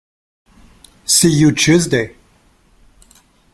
See you Tuesday!